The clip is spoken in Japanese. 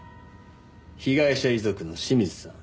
被害者遺族の清水さん。